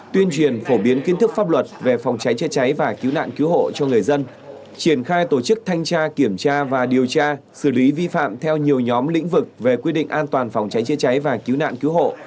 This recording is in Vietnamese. tuyên truyền phổ biến kiến thức pháp luật về phòng cháy chữa cháy và cứu nạn cứu hộ cho người dân triển khai tổ chức thanh tra kiểm tra và điều tra xử lý vi phạm theo nhiều nhóm lĩnh vực về quy định an toàn phòng cháy chữa cháy và cứu nạn cứu hộ